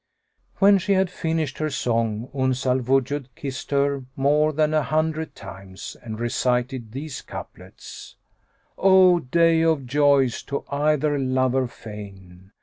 '" When she had finished her song, Uns al Wujud kissed her, more than an hundred times, and recited these couplets, "O day of joys to either lover fain!